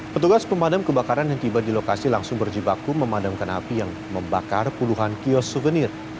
petugas pemadam kebakaran yang tiba di lokasi langsung berjibaku memadamkan api yang membakar puluhan kios souvenir